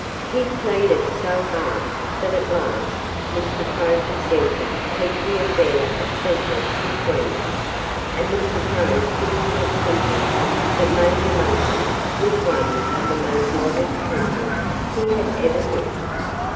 He pleaded so hard that at last Mr. Crow consented to keep the affair a secret between them. And Mr. Crow couldn't help thinking that Major Monkey was one of the most modest people he had ever met.